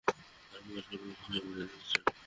আর মহিষগুলো ভয়ে মরে যাচ্ছে।